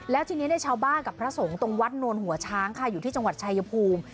แล้วทีนี้ชาวบ้านกับพระสงฆ์ตรงวัดนวลหัวช้างค่ะอยู่ที่จังหวัดชายภูมิ